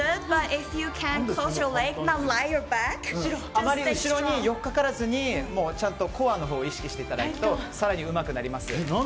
あまり後ろに寄りかからずにちゃんとコアのほうを意識していただくと更にうまくなります。